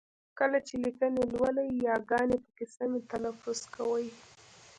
کله چې لیکني لولئ ی ګاني پکې سمې تلفظ کوئ!